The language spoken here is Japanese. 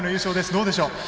どうでしょう？